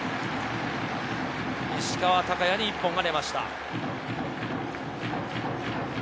石川昂弥に１本が出ました。